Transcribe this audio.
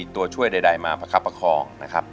ตัวช่วยใดมาประคับประคองนะครับ